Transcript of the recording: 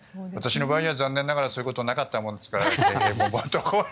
私は残念ながらそういうことはなかったものですから。